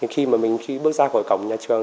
khi mà mình bước ra khỏi cổng nhà trường